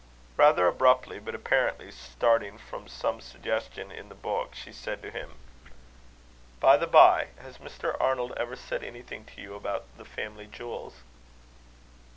Rather abruptly, but apparently starting from some suggestion in the book, she said to him: "By the bye, has Mr. Arnold ever said anything to you about the family jewels?"